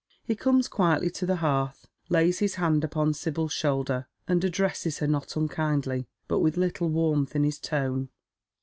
He comes quietly to the hearth, lays his hand upon Sibyl's shoulder, and addresses her not unkindly, but with little warmth in his tone.